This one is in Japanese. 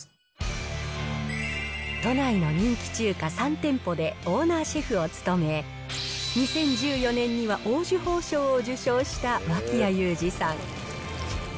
都内の人気中華３店舗でオーナーシェフを務め、２０１４年には黄綬褒章を受章した脇屋友詞さん。